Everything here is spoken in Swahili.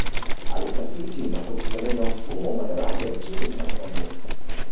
alitafiti na kutengeneza mfumo wa madaraja nchini tanzania